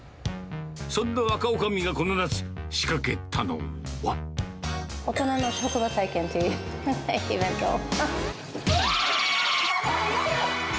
そんな若おかみがこの夏、大人の職場体験というイベントを。